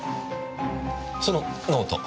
そのノート。